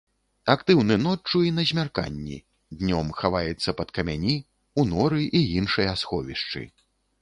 Актыўны ноччу і на змярканні, днём хаваецца пад камяні, у норы і іншыя сховішчы.